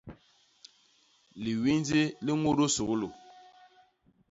Liwindi li ñudu suglu.